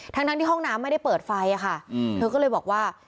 ทั้งที่ห้องน้ำไม่ได้เปิดไฟค่ะเธอก็เลยบอกว่า